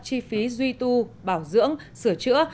chi phí duy tu bảo dưỡng sửa chữa